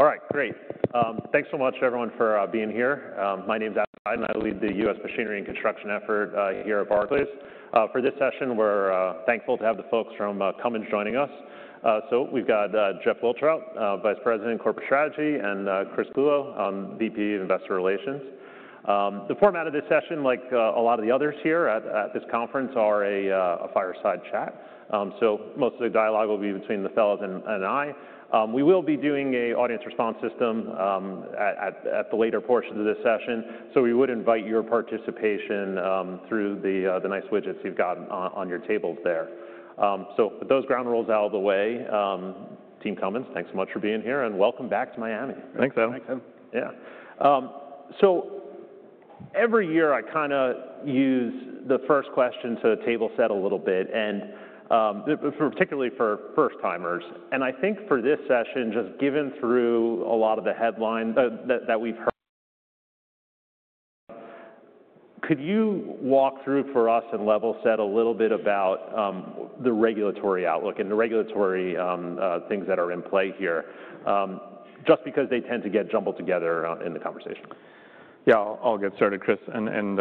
All right. Great. Thanks so much, everyone, for being here. My name is Adam Seiden, and I lead the U.S. machinery and construction effort here at Barclays. For this session, we're thankful to have the folks from Cummins joining us, so we've got Jeff Wiltrout, Vice President, Corporate Strategy, and Chris Clulow, VP of Investor Relations. The format of this session, like a lot of the others here at this conference, are a fireside chat, so most of the dialogue will be between the fellows and I. We will be doing an audience response system at the later portions of this session, so we would invite your participation through the nice widgets you've got on your tables there, so with those ground rules out of the way, Team Cummins, thanks so much for being here, and welcome back to Miami. Thanks, Adam. Thanks, Adam. Yeah, so every year, I kinda use the first question to table-set a little bit, and, particularly for first-timers, and I think for this session, just given through a lot of the headlines that we've heard, could you walk through for us and level-set a little bit about the regulatory outlook and the regulatory things that are in play here, just because they tend to get jumbled together in the conversation? Yeah. I'll get started, Chris, and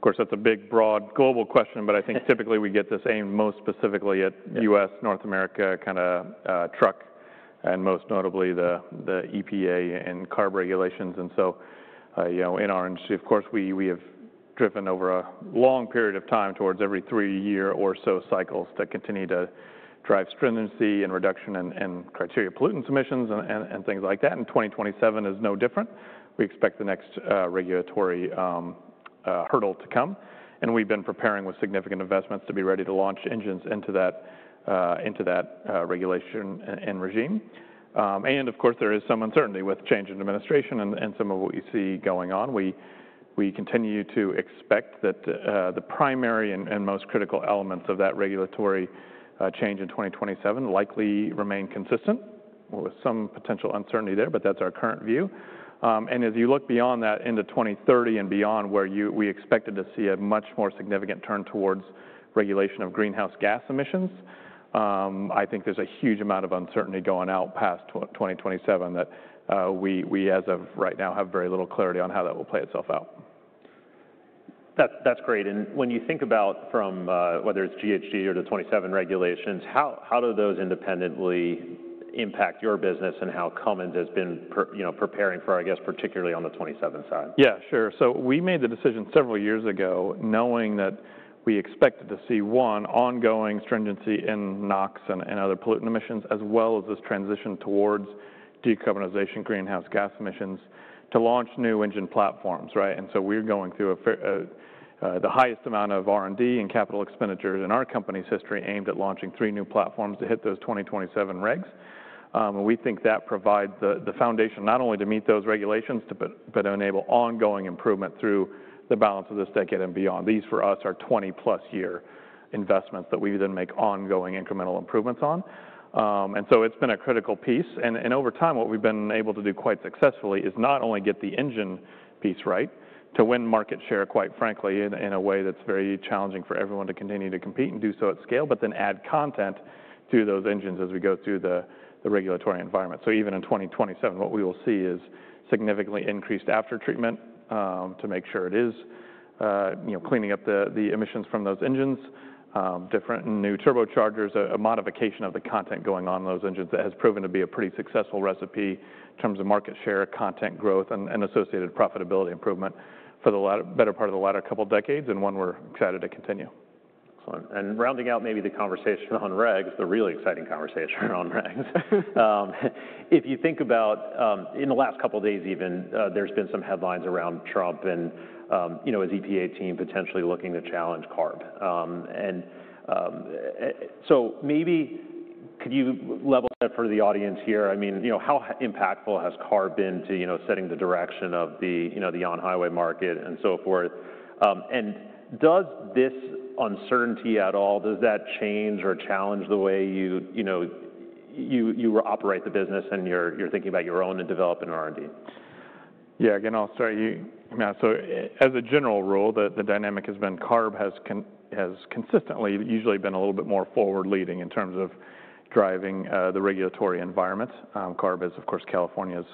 of course, that's a big, broad, global question, but I think typically we get this aimed most specifically at U.S., North America kinda truck, and most notably the EPA and CARB regulations, and so you know, in our industry, of course, we have driven over a long period of time towards every three-year or so cycles to continue to drive stringency and reduction and things like that, and 2027 is no different. We expect the next regulatory hurdle to come, and we've been preparing with significant investments to be ready to launch engines into that regulation and regime, and of course, there is some uncertainty with change in administration and some of what we see going on. We continue to expect that the primary and most critical elements of that regulatory change in 2027 likely remain consistent with some potential uncertainty there, but that's our current view. And as you look beyond that into 2030 and beyond, where we expected to see a much more significant turn towards regulation of greenhouse gas emissions, I think there's a huge amount of uncertainty going out past 2027 that we as of right now have very little clarity on how that will play itself out. That's great. And when you think about whether it's GHG or the 2027 regulations, how do those independently impact your business and how Cummins has been, you know, preparing for, I guess, particularly on the 2027 side? Yeah, sure. So we made the decision several years ago knowing that we expected to see one, ongoing stringency in NOx and other pollutant emissions, as well as this transition towards decarbonization greenhouse gas emissions to launch new engine platforms, right? So we're going through the highest amount of R&D and capital expenditures in our company's history aimed at launching three new platforms to hit those 2027 regs, and we think that provides the foundation not only to meet those regulations, but enable ongoing improvement through the balance of this decade and beyond. These for us are 20+ year investments that we then make ongoing incremental improvements on, so it's been a critical piece. Over time, what we've been able to do quite successfully is not only get the engine piece right to win market share, quite frankly, in a way that's very challenging for everyone to continue to compete and do so at scale, but then add content through those engines as we go through the regulatory environment. Even in 2027, what we will see is significantly increased aftertreatment to make sure it is, you know, cleaning up the emissions from those engines, different and new turbochargers, a modification of the content going on in those engines that has proven to be a pretty successful recipe in terms of market share, content growth, and associated profitability improvement for the latter better part of the latter couple decades, and one we're excited to continue. Excellent. And rounding out maybe the conversation on regs, the really exciting conversation on regs, if you think about, in the last couple days even, there's been some headlines around Trump and, you know, his EPA team potentially looking to challenge CARB. And, so maybe could you level-set for the audience here? I mean, you know, how impactful has CARB been to, you know, setting the direction of the, you know, the on-highway market and so forth? And does this uncertainty at all, does that change or challenge the way you, you know, you operate the business and you're thinking about your own and developing R&D? Yeah. Again, I'll start you. Yeah. So as a general rule, the dynamic has been CARB has consistently usually been a little bit more forward-leading in terms of driving the regulatory environment. CARB is, of course, California's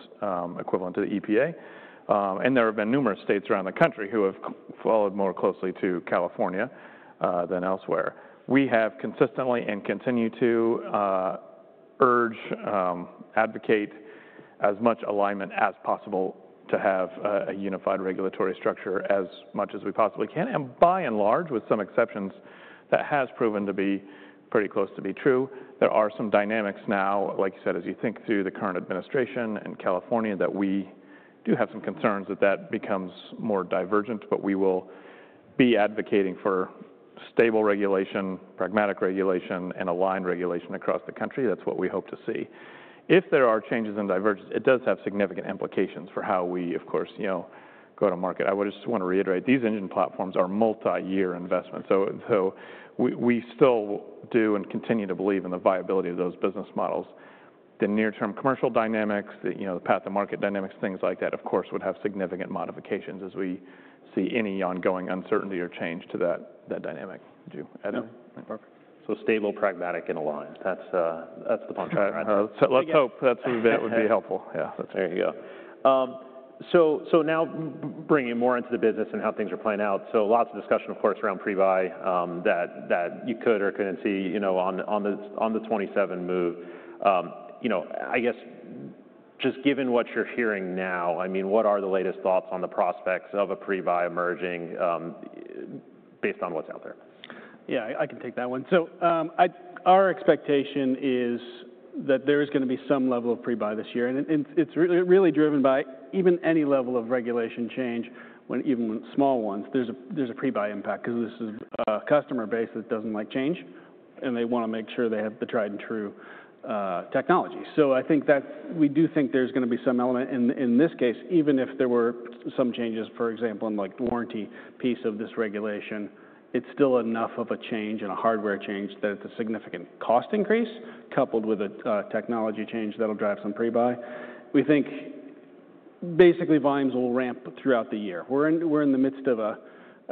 equivalent to the EPA. And there have been numerous states around the country who have followed more closely to California than elsewhere. We have consistently and continue to urge, advocate as much alignment as possible to have a unified regulatory structure as much as we possibly can. And by and large, with some exceptions, that has proven to be pretty close to be true. There are some dynamics now, like you said, as you think through the current administration and California, that we do have some concerns that that becomes more divergent, but we will be advocating for stable regulation, pragmatic regulation, and aligned regulation across the country. That's what we hope to see. If there are changes in divergence, it does have significant implications for how we, of course, you know, go to market. I would just wanna reiterate these engine platforms are multi-year investments. So, we still do and continue to believe in the viability of those business models. The near-term commercial dynamics, the, you know, the path to market dynamics, things like that, of course, would have significant modifications as we see any ongoing uncertainty or change to that dynamic. Do you, Adam? No. Perfect. So stable, pragmatic, and aligned. That's, that's the punchline. So let's hope that's what would be helpful. Yeah. There you go. So now bringing more into the business and how things are playing out. So lots of discussion, of course, around pre-buy that you could or couldn't see, you know, on the 2027 move. You know, I guess just given what you're hearing now, I mean, what are the latest thoughts on the prospects of a pre-buy emerging, based on what's out there? Yeah. I can take that one. Our expectation is that there is gonna be some level of pre-buy this year. It's really driven by even any level of regulation change. When even small ones, there's a pre-buy impact 'cause this is a customer base that doesn't like change, and they wanna make sure they have the tried and true technology. I think that we do think there's gonna be some element in this case, even if there were some changes, for example, in like warranty piece of this regulation. It's still enough of a change and a hardware change that it's a significant cost increase coupled with a technology change that'll drive some pre-buy. We think basically volumes will ramp throughout the year. We're in the midst of a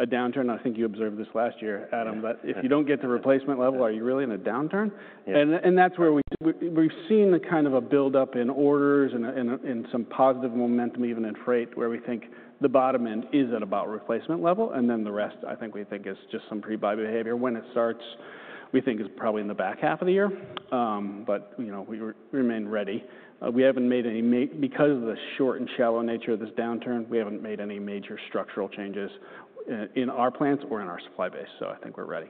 downturn. I think you observed this last year, Adam, that if you don't get to replacement level, are you really in a downturn? Yeah. That's where we've seen the kind of a buildup in orders and some positive momentum even in freight where we think the bottom end is at about replacement level. And then the rest, I think we think is just some pre-buy behavior. When it starts, we think is probably in the back half of the year. But, you know, we remain ready. We haven't made any M&A because of the short and shallow nature of this downturn. We haven't made any major structural changes in our plants or in our supply base. So I think we're ready.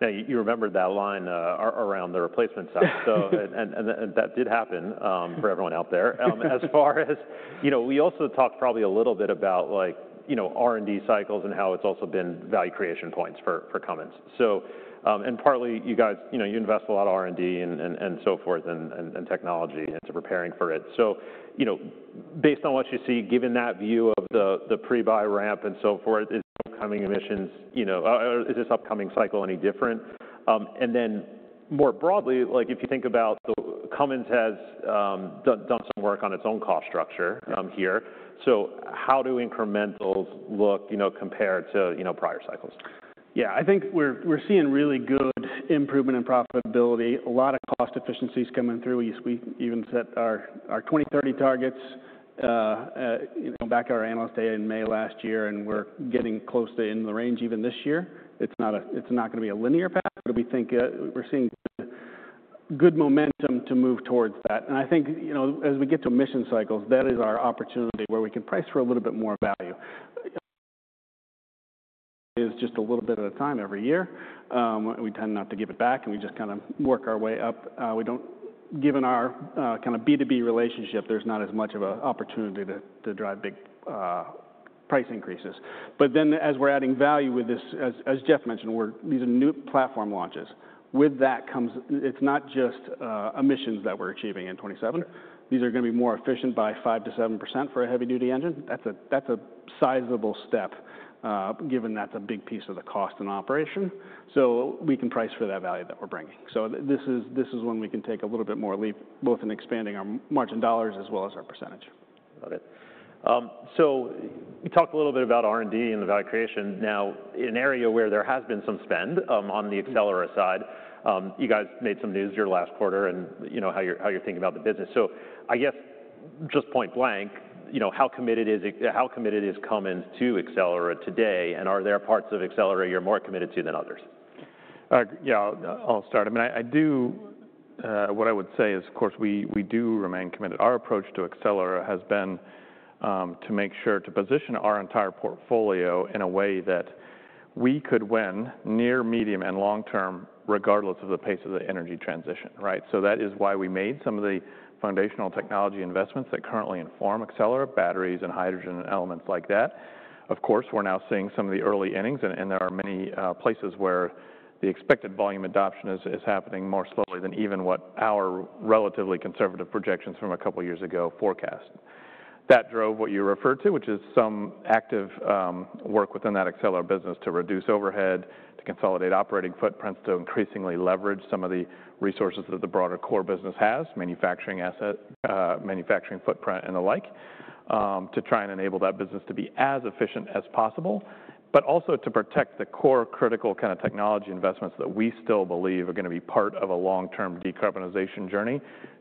Yeah. Yeah. You remembered that line around the replacement side. So, and that did happen, for everyone out there. As far as, you know, we also talked probably a little bit about like, you know, R&D cycles and how it's also been value creation points for Cummins. So, and partly you guys, you know, you invest a lot of R&D and so forth and technology into preparing for it. So, you know, based on what you see, given that view of the pre-buy ramp and so forth, is the upcoming emissions, you know, or is this upcoming cycle any different? And then more broadly, like if you think about the Cummins has done some work on its own cost structure here. So how do incrementals look, you know, compared to, you know, prior cycles? Yeah. I think we're seeing really good improvement in profitability. A lot of cost efficiencies coming through. We even set our 2030 targets, you know, back at our analyst day in May last year, and we're getting close to in the range even this year. It's not gonna be a linear path, but we think we're seeing good momentum to move towards that. And I think, you know, as we get to emission cycles, that is our opportunity where we can price for a little bit more value. It's just a little bit at a time every year. We tend not to give it back, and we just kinda work our way up. We don't, given our kinda B2B relationship, there's not as much of a opportunity to drive big price increases. But then as we're adding value with this, as, as Jeff mentioned, we're these are new platform launches. With that comes, it's not just emissions that we're achieving in 2027. These are gonna be more efficient by 5%-7% for a heavy-duty engine. That's a, that's a sizable step, given that's a big piece of the cost and operation. So we can price for that value that we're bringing. So this is, this is when we can take a little bit more leap, both in expanding our margin dollars as well as our percentage. Got it. So we talked a little bit about R&D and the value creation. Now, in an area where there has been some spend, on the Accelera side, you guys made some news your last quarter and, you know, how you're thinking about the business. So I guess just point blank, you know, how committed is Cummins to Accelera today? And are there parts of Accelera you're more committed to than others? Yeah, I'll start. I mean, I do what I would say is, of course, we do remain committed. Our approach to Accelera has been to make sure to position our entire portfolio in a way that we could win near, medium, and long-term regardless of the pace of the energy transition, right? So that is why we made some of the foundational technology investments that currently inform Accelera batteries and hydrogen and elements like that. Of course, we're now seeing some of the early innings, and there are many places where the expected volume adoption is happening more slowly than even what our relatively conservative projections from a couple years ago forecast. That drove what you referred to, which is some active work within that Accelera business to reduce overhead, to consolidate operating footprints, to increasingly leverage some of the resources that the broader core business has, manufacturing asset, manufacturing footprint and the like, to try and enable that business to be as efficient as possible, but also to protect the core critical kinda technology investments that we still believe are gonna be part of a long-term decarbonization journey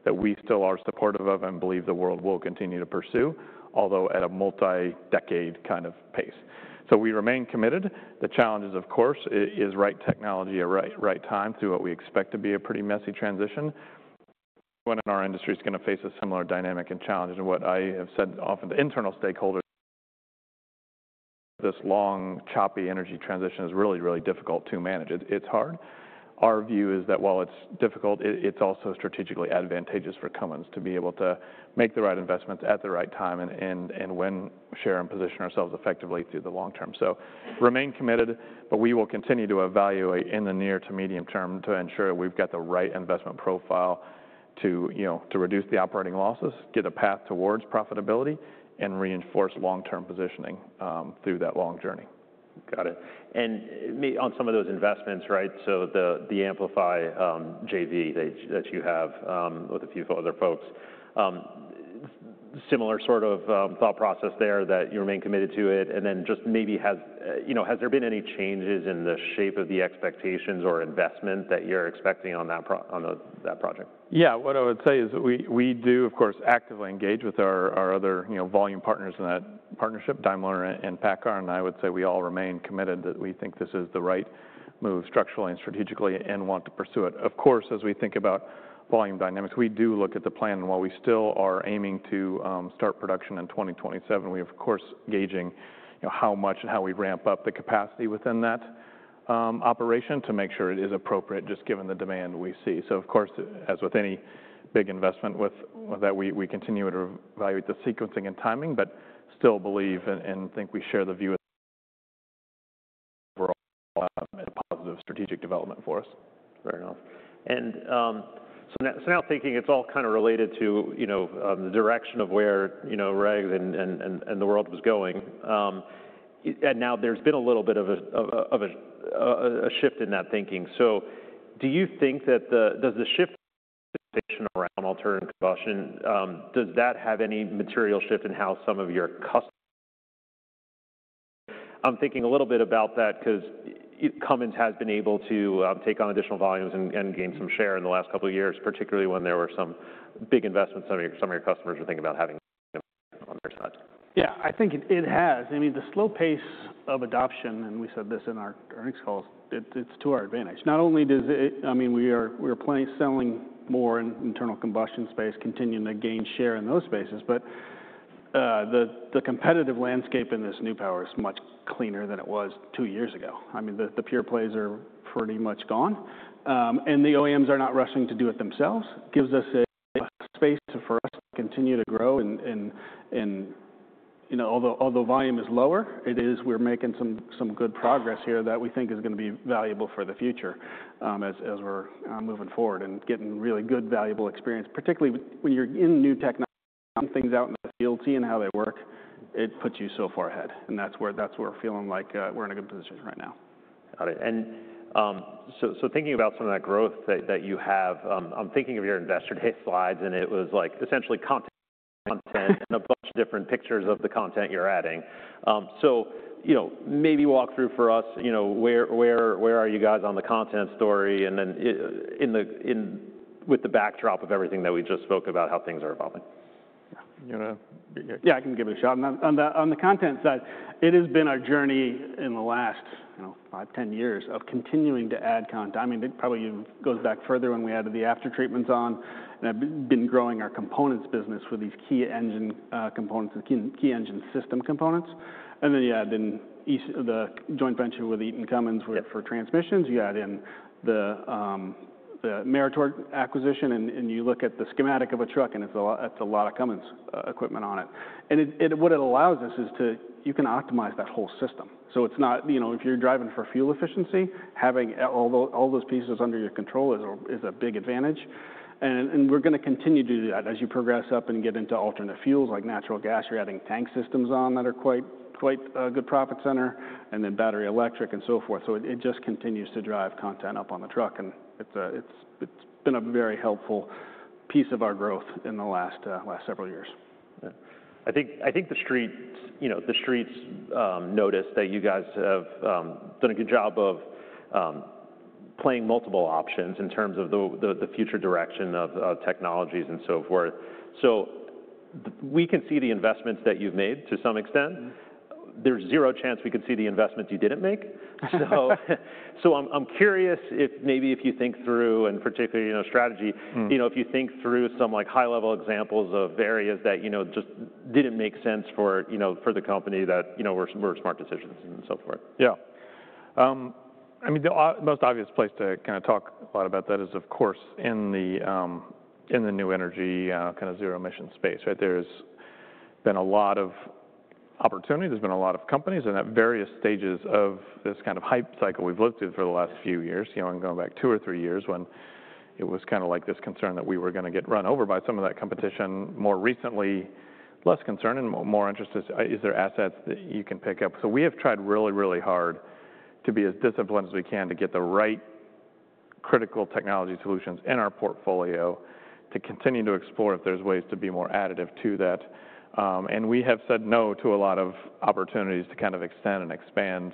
that we still are supportive of and believe the world will continue to pursue, although at a multi-decade kind of pace. So we remain committed. The challenge is, of course, it is right technology at right, right time through what we expect to be a pretty messy transition. Everyone in our industry's gonna face a similar dynamic and challenge. What I have said often to internal stakeholders, this long, choppy energy transition is really, really difficult to manage. It's, it's hard. Our view is that while it's difficult, it, it's also strategically advantageous for Cummins to be able to make the right investments at the right time and, and, and win, share, and position ourselves effectively through the long term. We remain committed, but we will continue to evaluate in the near-to-medium term to ensure we've got the right investment profile to, you know, to reduce the operating losses, get a path towards profitability, and reinforce long-term positioning, through that long journey. Got it. And maybe on some of those investments, right? So the Amplify JV that you have with a few other folks, similar sort of thought process there that you remain committed to it. And then just maybe has, you know, has there been any changes in the shape of the expectations or investment that you're expecting on that project? Yeah. What I would say is that we do, of course, actively engage with our other, you know, volume partners in that partnership, Daimler and PACCAR. And I would say we all remain committed that we think this is the right move structurally and strategically and want to pursue it. Of course, as we think about volume dynamics, we do look at the plan. And while we still are aiming to start production in 2027, we're, of course, gauging, you know, how much and how we ramp up the capacity within that operation to make sure it is appropriate just given the demand we see. So, of course, as with any big investment with that, we continue to evaluate the sequencing and timing, but still believe and think we share the view overall a positive strategic development for us. Fair enough. And so now thinking it's all kinda related to, you know, the direction of where, you know, regs and the world was going, and now there's been a little bit of a shift in that thinking. So do you think that does the shift in participation around alternative combustion have any material shift in how some of your customers? I'm thinking a little bit about that because Cummins has been able to take on additional volumes and gain some share in the last couple of years, particularly when there were some big investments some of your customers were thinking about having on their side. Yeah. I think it has. I mean, the slow pace of adoption, and we said this in our earnings calls, it's to our advantage. Not only does it, I mean, we are playing, selling more in internal combustion space, continuing to gain share in those spaces, but the competitive landscape in this new power is much cleaner than it was two years ago. I mean, the pure plays are pretty much gone, and the OEMs are not rushing to do it themselves. It gives us a space for us to continue to grow and, you know, although volume is lower, it is, we're making some good progress here that we think is gonna be valuable for the future, as we're moving forward and getting really good valuable experience, particularly when you're in new technology, things out in the field, seeing how they work. It puts you so far ahead, and that's where we're feeling like we're in a good position right now. Got it. And so thinking about some of that growth that you have, I'm thinking of your investor day slides, and it was like essentially content and a bunch of different pictures of the content you're adding. So you know, maybe walk through for us, you know, where are you guys on the content story? And then in with the backdrop of everything that we just spoke about, how things are evolving. Yeah. You know, yeah, I can give it a shot. On the content side, it has been our journey in the last, you know, five, 10 years of continuing to add content. I mean, it probably goes back further when we added the aftertreatment on and have been growing our components business with these key engine components, the key engine system components. And then you add in the joint venture with Eaton Cummins for transmissions. You add in the Meritor acquisition, and you look at the schematic of a truck, and it's a lot of Cummins equipment on it. And it what it allows us is to you can optimize that whole system. So it's not, you know, if you're driving for fuel efficiency, having all those pieces under your control is a big advantage. And we're gonna continue to do that as you progress up and get into alternate fuels like natural gas. You're adding tank systems on that are quite a good profit center and then battery electric and so forth. So it just continues to drive content up on the truck. And it's been a very helpful piece of our growth in the last several years. Yeah. I think the Streets, you know, notice that you guys have done a good job of playing multiple options in terms of the future direction of technologies and so forth. So we can see the investments that you've made to some extent. There's zero chance we could see the investments you didn't make. So I'm curious if maybe you think through and particularly, you know, strategy, you know, if you think through some like high-level examples of areas that, you know, just didn't make sense for, you know, for the company that, you know, were smart decisions and so forth. Yeah. I mean, the most obvious place to kinda talk a lot about that is, of course, in the, in the new energy, kinda zero emission space, right? There's been a lot of opportunity. There's been a lot of companies and at various stages of this kind of hype cycle we've lived through for the last few years, you know, and going back two or three years when it was kinda like this concern that we were gonna get run over by some of that competition. More recently, less concern and more interest is there assets that you can pick up. So we have tried really, really hard to be as disciplined as we can to get the right critical technology solutions in our portfolio to continue to explore if there's ways to be more additive to that. And we have said no to a lot of opportunities to kind of extend and expand,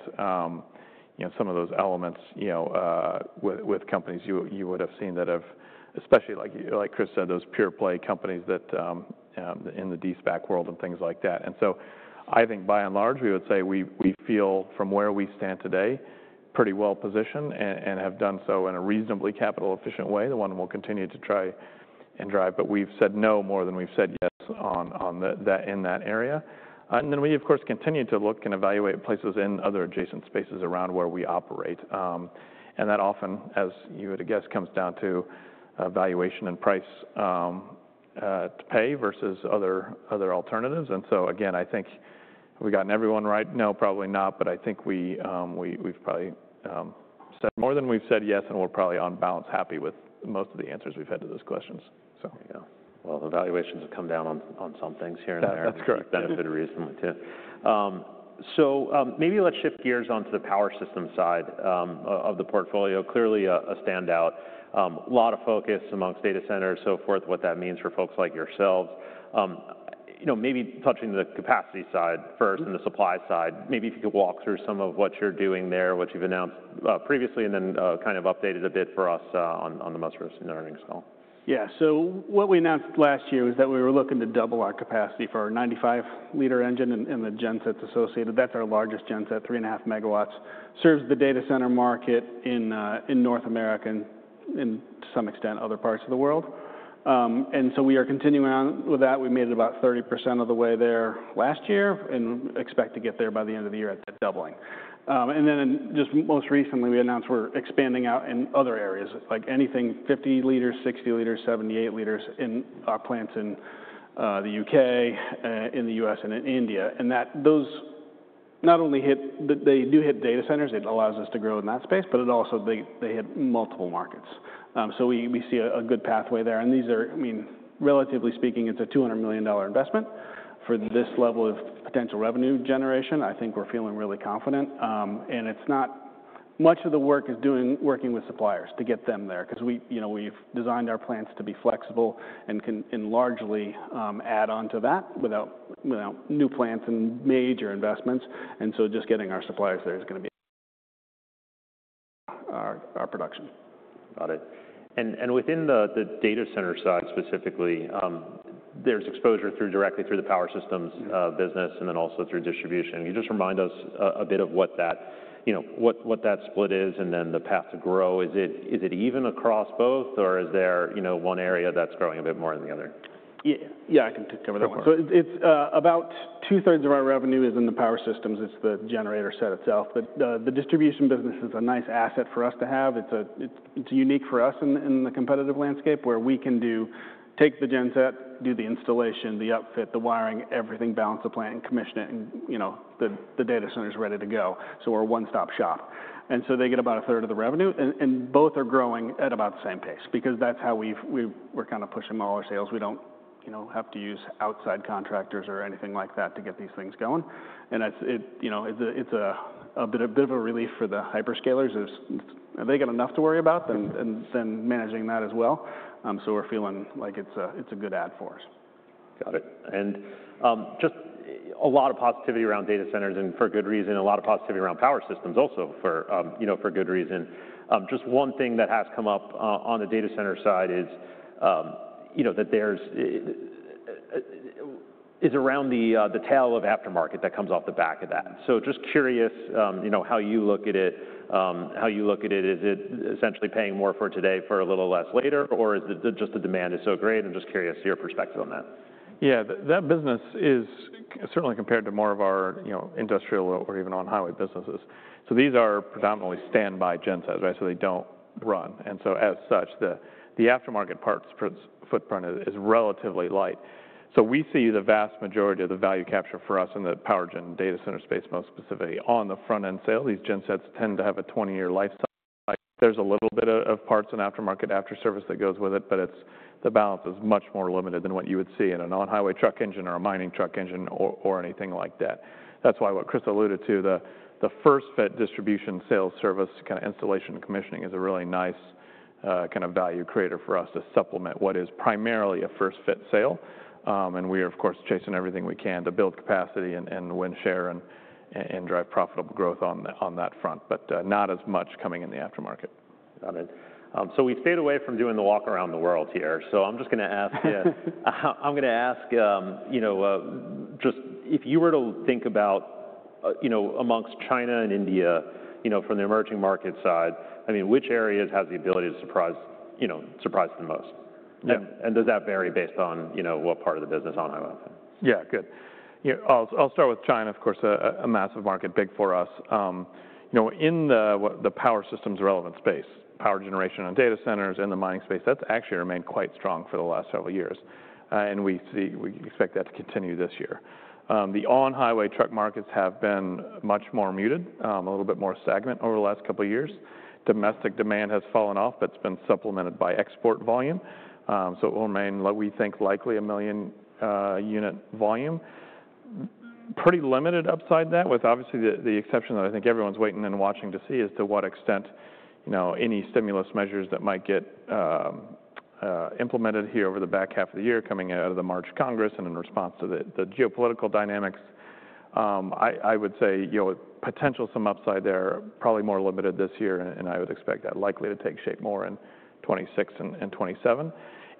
you know, some of those elements, you know, with companies you would've seen that have, especially like Chris said, those pure play companies that, in the de-SPAC world and things like that. And so I think by and large, we would say we feel from where we stand today, pretty well positioned and have done so in a reasonably capital efficient way. The one we'll continue to try and drive, but we've said no more than we've said yes on that in that area. And then we, of course, continue to look and evaluate places in other adjacent spaces around where we operate. And that often, as you would guess, comes down to evaluation and price to pay versus other alternatives. I think we've gotten everyone right? No, probably not. But I think we've probably said more than we've said yes, and we're probably on balance happy with most of the answers we've had to those questions. So. Yeah. Well, evaluations have come down on some things here and there. That's correct. That have been reasonable too, so maybe let's shift gears onto the power system side of the portfolio. Clearly a standout, a lot of focus among data centers, so forth, what that means for folks like yourselves. You know, maybe touching the capacity side first and the supply side, maybe if you could walk through some of what you're doing there, what you've announced previously, and then kind of updated a bit for us on the most recent earnings call. Yeah. So what we announced last year was that we were looking to double our capacity for our 95L engine and the gensets associated. That's our largest genset, 3.5 MW, serves the data center market in North American and to some extent other parts of the world. So we are continuing on with that. We made it about 30% of the way there last year and expect to get there by the end of the year at that doubling. Then just most recently, we announced we're expanding out in other areas, like anything 50L, 60L, 78L in our plants in the U.K., in the U.S. and in India. And that those not only hit the. They do hit data centers, it allows us to grow in that space, but it also, they hit multiple markets. So we see a good pathway there. And these are, I mean, relatively speaking, it's a $200 million investment for this level of potential revenue generation. I think we're feeling really confident. And it's not much of the work is working with suppliers to get them there 'cause we, you know, we've designed our plants to be flexible and can largely add onto that without new plants and major investments. And so just getting our suppliers there is gonna be our production. Got it. And within the data center side specifically, there's exposure directly through the power systems business and then also through distribution. Can you just remind us a bit of what that, you know, what that split is and then the path to grow? Is it even across both or is there, you know, one area that's growing a bit more than the other? Yeah. I can take that one. So it's about 2/3 of our revenue is in the power systems. It's the generator set itself. But the distribution business is a nice asset for us to have. It's unique for us in the competitive landscape where we can take the genset, do the installation, the upfit, the wiring, everything, balance the plant and commission it and, you know, the data center's ready to go. So we're a one-stop shop. And so they get about 1/3 of the revenue and both are growing at about the same pace because that's how we're kinda pushing all our sales. We don't, you know, have to use outside contractors or anything like that to get these things going. And that's it, you know, it's a bit of a relief for the hyperscalers as they got enough to worry about then, and then managing that as well. So we're feeling like it's a good add for us. Got it. And just a lot of positivity around data centers and for good reason, a lot of positivity around power systems also for, you know, for good reason. Just one thing that has come up on the data center side is, you know, that there's around the tail of aftermarket that comes off the back of that. So just curious, you know, how you look at it, how you look at it. Is it essentially paying more for today for a little less later or is it just the demand is so great? I'm just curious your perspective on that. Yeah. That business is certainly compared to more of our, you know, industrial or even on-highway businesses. So these are predominantly standby gensets, right? So they don't run. And so as such, the aftermarket parts footprint is relatively light. So we see the vast majority of the value capture for us in the power gen data center space, most specifically on the front end sale. These gensets tend to have a 20-year lifecycle. There's a little bit of parts and aftermarket service that goes with it, but the balance is much more limited than what you would see in an on-highway truck engine or a mining truck engine or anything like that. That's why what Chris alluded to, the first fit distribution sales service kinda installation and commissioning is a really nice, kind of value creator for us to supplement what is primarily a first fit sale, and we are, of course, chasing everything we can to build capacity and drive profitable growth on that front, but not as much coming in the aftermarket. Got it. So we stayed away from doing the walk around the world here. So I'm just gonna ask, you know, just if you were to think about, you know, among China and India, you know, from the emerging market side, I mean, which areas has the ability to surprise, you know, surprise the most? And does that vary based on, you know, what part of the business on-highway? Yeah. Good. Yeah. I'll start with China, of course, a massive market, big for us. You know, in the power systems relevant space, power generation on data centers and the mining space, that's actually remained quite strong for the last several years. We see, we expect that to continue this year. The on-highway truck markets have been much more muted, a little bit more stagnant over the last couple of years. Domestic demand has fallen off, but it's been supplemented by export volume. So it will remain, we think, likely 1,000,000 unit volume, pretty limited upside that with obviously the exception that I think everyone's waiting and watching to see is to what extent, you know, any stimulus measures that might get implemented here over the back half of the year coming out of the March Congress and in response to the geopolitical dynamics. I would say, you know, potential some upside there, probably more limited this year. I would expect that likely to take shape more in 2026 and 2027.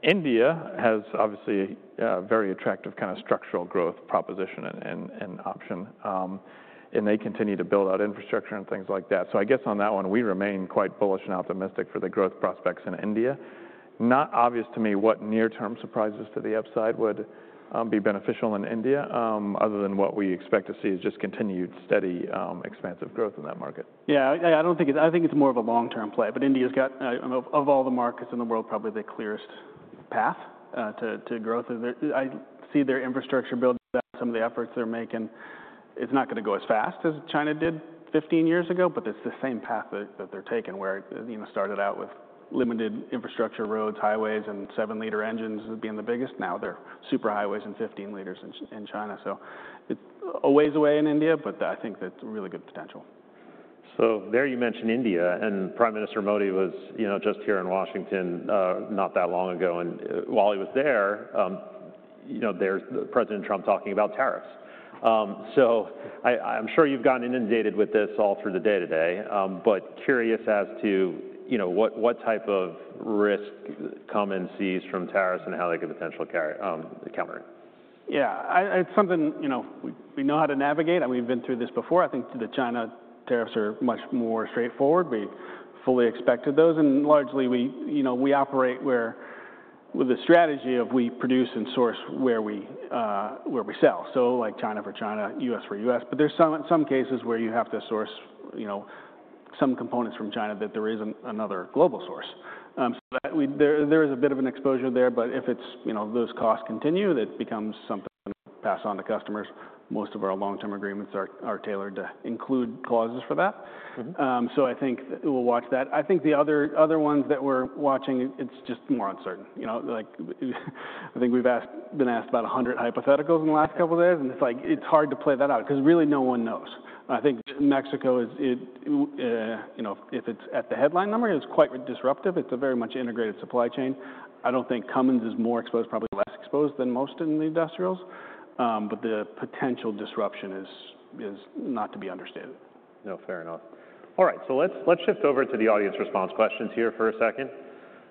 India has obviously a very attractive kind of structural growth proposition and option, and they continue to build out infrastructure and things like that. I guess on that one, we remain quite bullish and optimistic for the growth prospects in India. Not obvious to me what near-term surprises to the upside would be beneficial in India, other than what we expect to see is just continued steady, expansive growth in that market. Yeah. I don't think it's. I think it's more of a long-term play, but India's got, of all the markets in the world, probably the clearest path to growth. I see their infrastructure build out some of the efforts they're making. It's not gonna go as fast as China did 15 years ago, but it's the same path that they're taking where, you know, started out with limited infrastructure, roads, highways, and seven liter engines being the biggest. Now they're super highways and 15L in China. So it's a ways away in India, but I think that's really good potential. So there you mentioned India and Prime Minister Modi was, you know, just here in Washington, D.C., not that long ago. And while he was there, you know, there's the President Trump talking about tariffs. So, I'm sure you've gotten inundated with this all through the day today. But curious as to, you know, what type of risk Cummins sees from tariffs and how they could potentially counter it. Yeah. It's something, you know. We know how to navigate and we've been through this before. I think the China tariffs are much more straightforward. We fully expected those and largely we, you know, operate with the strategy of we produce and source where we sell. So like China for China, U.S. for U.S. But there are some cases where you have to source, you know, some components from China that there isn't another global source. So there is a bit of an exposure there, but if it's, you know, those costs continue, that becomes something to pass on to customers. Most of our long-term agreements are tailored to include clauses for that. So I think we'll watch that. I think the other ones that we're watching, it's just more uncertain, you know, like I think we've been asked about a hundred hypotheticals in the last couple of days and it's like, it's hard to play that out 'cause really no one knows. I think Mexico is it, you know, if it's at the headline number, it's quite disruptive. It's a very much integrated supply chain. I don't think Cummins is more exposed, probably less exposed than most in the industrials, but the potential disruption is not to be understated. No, fair enough. All right. So let's shift over to the audience response questions here for a second.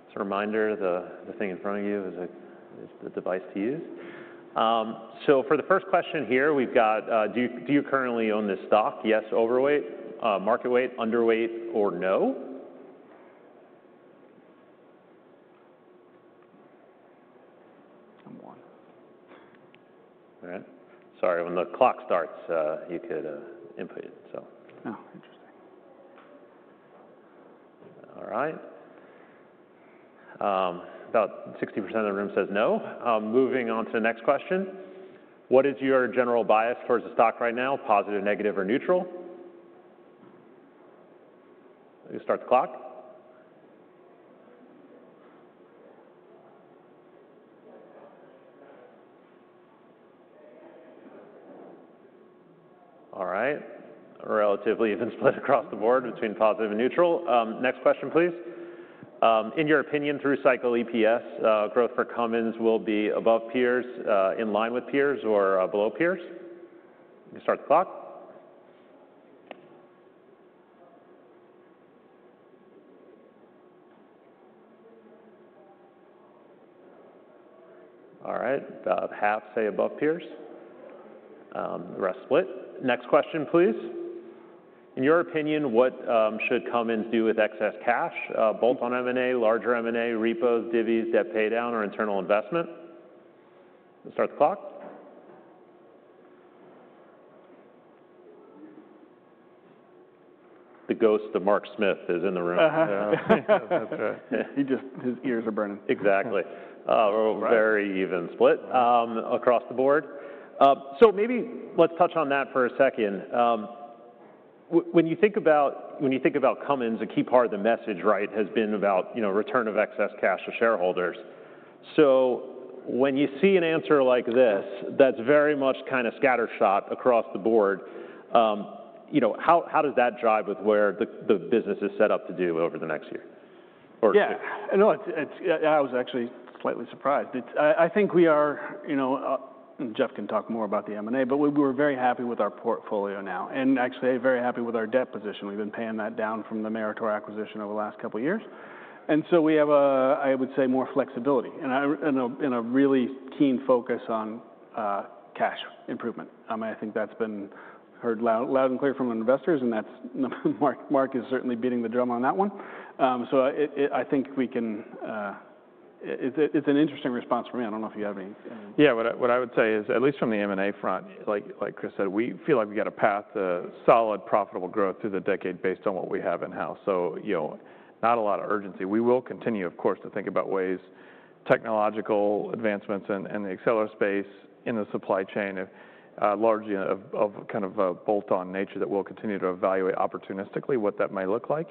It's a reminder the thing in front of you is the device to use. So for the first question here, we've got, do you currently own this stock? Yes, overweight, market weight, underweight, or no? I'm one. All right. Sorry. When the clock starts, you could input it. So. Oh, interesting. All right. About 60% of the room says no. Moving on to the next question. What is your general bias towards the stock right now? Positive, negative, or neutral? You start the clock. All right. Relatively even split across the board between positive and neutral. Next question please. In your opinion, through-cycle EPS growth for Cummins will be above peers, in line with peers, or below peers? You start the clock. All right. About half say above peers. The rest split. Next question please. In your opinion, what should Cummins do with excess cash? Bolt-on M&A, larger M&A, repos, divvies, debt paydown, or internal investment? Start the clock. The ghost of Mark Smith is in the room. Uh-huh. That's right. He just, his ears are burning. Exactly. Very even split, across the board. So maybe let's touch on that for a second. When you think about, when you think about Cummins, a key part of the message, right, has been about, you know, return of excess cash to shareholders. So when you see an answer like this that's very much kind of scattershot across the board, you know, how, how does that jive with where the, the business is set up to do over the next year or two? Yeah. No, it's. I was actually slightly surprised. It's. I think we are, you know, Jeff can talk more about the M&A, but we're very happy with our portfolio now and actually very happy with our debt position. We've been paying that down from the Meritor acquisition over the last couple of years. And so we have, I would say, more flexibility and a really keen focus on cash improvement. I mean, I think that's been heard loud and clear from investors and that's Mark. Mark is certainly beating the drum on that one. So, I think we can. It's an interesting response for me. I don't know if you have any. Yeah. What I would say is at least from the M&A front, like, like Chris said, we feel like we got a path to solid profitable growth through the decade based on what we have in-house. So, you know, not a lot of urgency. We will continue, of course, to think about ways, technological advancements and the Accelera space in the supply chain, largely of kind of a bolt-on nature that we'll continue to evaluate opportunistically what that might look like.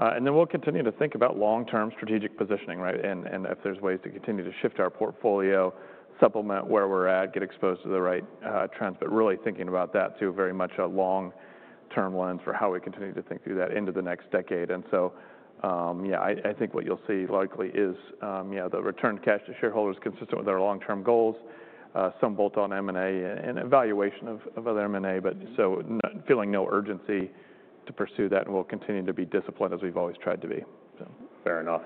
And then we'll continue to think about long-term strategic positioning, right? And if there's ways to continue to shift our portfolio, supplement where we're at, get exposed to the right trends. But really thinking about that too, very much a long-term lens for how we continue to think through that into the next decade. And so, yeah, I think what you'll see likely is, yeah, the return to cash to shareholders consistent with our long-term goals, some bolt-on M&A and evaluation of other M&A, but feeling no urgency to pursue that and we'll continue to be disciplined as we've always tried to be. So. Fair enough.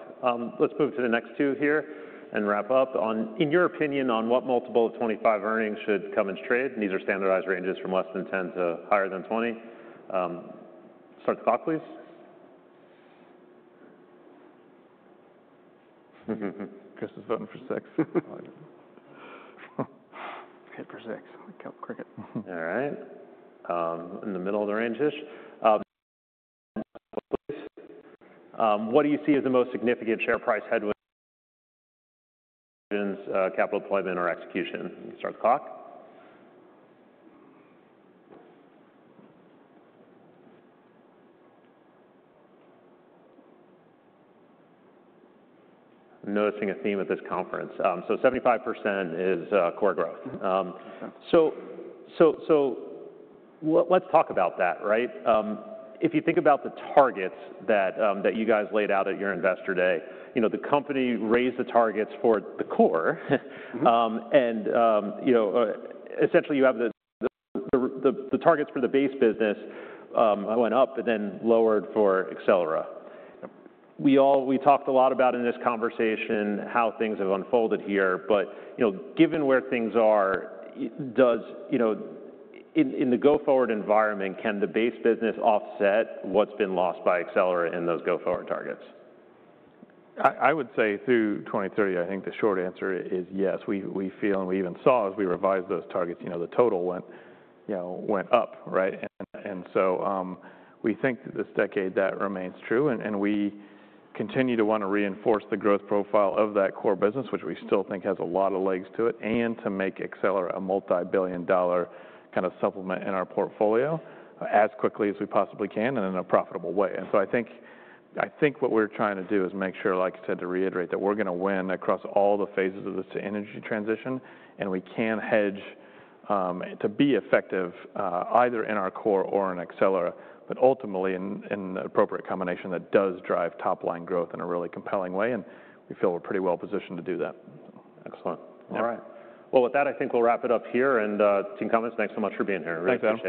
Let's move to the next two here and wrap up on, in your opinion, on what multiple of 2025 earnings should Cummins trade. And these are standardized ranges from less than 10 to higher than 20. Start the clock, please. Chris is voting for six. Hit for six. I killed cricket. All right. In the middle of the range-ish. What do you see as the most significant share price headwinds, capital deployment or execution? You can start the clock. I'm noticing a theme at this conference. So 75% is core growth. So let's talk about that, right? If you think about the targets that you guys laid out at your investor day, you know, the company raised the targets for the core. And you know, essentially you have the targets for the base business went up and then lowered for Accelera. We all talked a lot about in this conversation how things have unfolded here, but you know, given where things are, does you know in the go-forward environment can the base business offset what's been lost by Accelera in those go-forward targets? I would say through 2030, I think the short answer is yes. We feel and we even saw as we revised those targets, you know, the total went, you know, up, right, and so we think that this decade that remains true and we continue to wanna reinforce the growth profile of that core business, which we still think has a lot of legs to it and to make Accelera a multi-billion dollar kind of supplement in our portfolio as quickly as we possibly can and in a profitable way. And so I think what we're trying to do is make sure, like I said, to reiterate that we're gonna win across all the phases of this energy transition and we can hedge, to be effective, either in our core or in Accelera, but ultimately in the appropriate combination that does drive top-line growth in a really compelling way. We feel we're pretty well positioned to do that. Excellent. All right. Well, with that, I think we'll wrap it up here and, team Cummins, thanks so much for being here. Thank you.